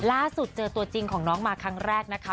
ล่าสุดเจอตัวจริงของน้องมาครั้งแรกนะคะ